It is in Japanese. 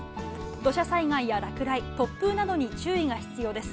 土砂災害や落雷、突風などに注意が必要です。